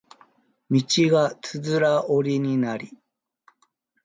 道がつづら折りになり